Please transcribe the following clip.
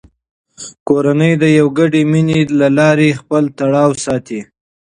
کورنۍ د یوې ګډې مینې له لارې خپل تړاو ساتي